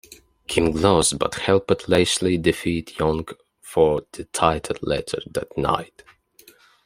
King lost, but helped Lashley defeat Young for the title later that night.